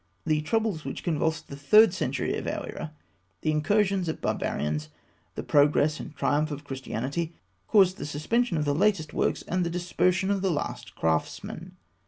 The troubles which convulsed the third century of our era, the incursions of barbarians, the progress and triumph of Christianity, caused the suspension of the latest works and the dispersion of the last craftsmen.